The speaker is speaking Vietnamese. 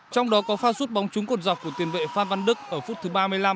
trong đó có pha sút bóng trúng cột dọc của tiền vệ phan văn đức ở phút thứ ba mươi năm